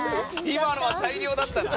今のは大量だったな。